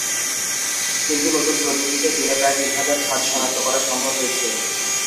কিন্তু নতুন প্রযুক্তিতে দিনে প্রায় তিন হাজার খাদ শনাক্ত করা সম্ভব হয়েছে।